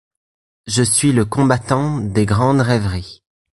Je suis le combattant des grandes rêveries